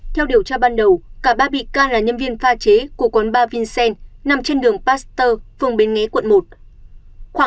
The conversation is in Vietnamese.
theo điều tra ban đầu cả ba bị can là nhân viên pha chế của quán ba vincent nằm trên đường pasteur phường bến nghé quận một